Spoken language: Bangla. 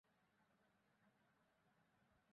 আমি সেখানে ফিরে যাব না, এবং তুমিও সেই জাহাজে ফিরে যাবে না।